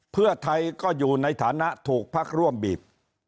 เพื่อไทยก็อยู่ในฐานะถูกพักร่วมบีบ